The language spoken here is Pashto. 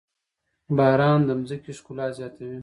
باران د ځمکې ښکلا زياتوي.